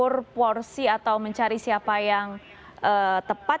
jadi kalau bisa mengukur porsi atau mencari siapa yang tepat